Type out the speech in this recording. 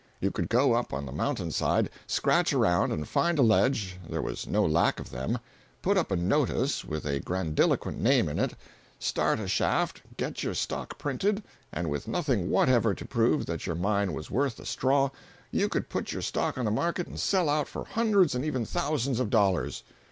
You could go up on the mountain side, scratch around and find a ledge (there was no lack of them), put up a "notice" with a grandiloquent name in it, start a shaft, get your stock printed, and with nothing whatever to prove that your mine was worth a straw, you could put your stock on the market and sell out for hundreds and even thousands of dollars.